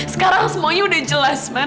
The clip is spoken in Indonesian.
sekarang semuanya udah jelas mbak